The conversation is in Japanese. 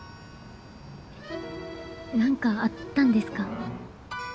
何かあったんですか？